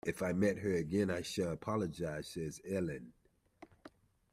If I meet her again I shall apologize, said Eileen.